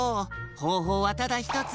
ほうほうはただひとつ。